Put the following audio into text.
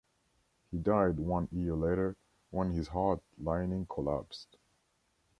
He died one year later when his heart lining collapsed.